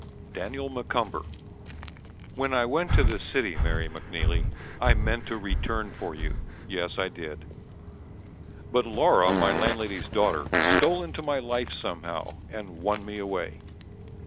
Daniel M'Cumber When I went to the city, Mary McNeely, I meant to return for you, yes I did. But Laura, my landlady's daughter, Stole into my life somehow, and won me away.